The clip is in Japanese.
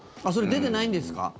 それ、出てないんですか？